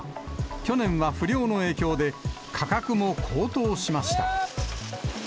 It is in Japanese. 去年は不漁の影響で、価格も高騰しました。